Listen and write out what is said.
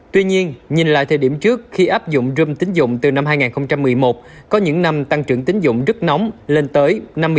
tuy nhiên nhìn lại thời điểm trước khi áp dụng râm tính dụng từ năm hai nghìn một mươi một có những năm tăng trưởng tính dụng rất nóng lên tới năm mươi ba tám